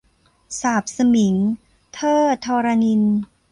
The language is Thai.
สาปสมิง - เทอด ธรณินทร์